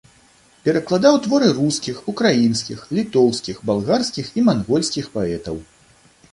Перакладаў творы рускіх, украінскіх, літоўскіх, балгарскіх і мангольскіх паэтаў.